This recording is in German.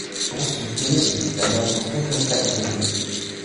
Brust und Kehle sind mit Bändern aus dunklen Flecken versehen.